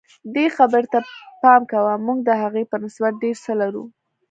دې خبرې ته پام کوه موږ د هغې په نسبت ډېر څه لرو.